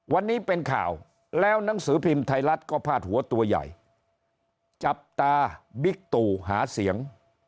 วันนี้เป็นข่าวแล้วหนังสือพิมพ์ไทยรัฐก็พาดหัวตัวใหญ่จับตาบิ๊กตู่หาเสียง